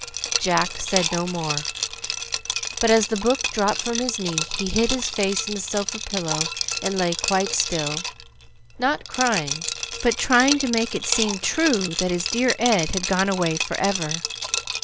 Jack said no more, but as the book dropped from his knee he hid his face in the sofa pillow and lay quite still, not crying, but trying to make it seem true that his dear Ed had gone away for ever.